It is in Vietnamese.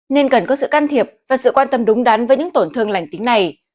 nên cần có sự can thiệp và sự quan tâm đúng đắn với những tổn thương lành tính này